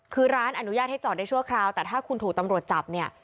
คือร้านอนุญาตให้จอดได้ชั่วคราวแต่ถ้าคุณถูกตำรวจจับเนี่ย